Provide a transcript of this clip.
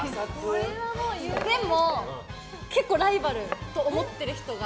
でも結構ライバルと思ってる人が。